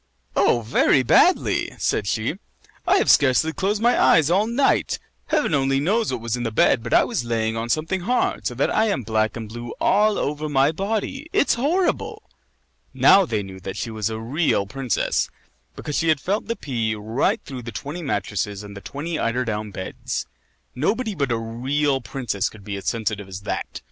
"Oh, very badly!" said she. "I have scarcely closed my eyes all night. Heaven only knows what was in the bed, but I was lying on something hard, so that I am black and blue all over my body. It's horrible!" Now they knew that she was a real princess because she had felt the pea right through the twenty mattresses and the twenty eider down beds. Nobody but a real princess could be as sensitive as that.